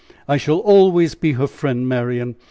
"I shall always be her friend, Marian.